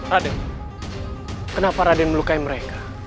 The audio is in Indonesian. raden kenapa raden melukai mereka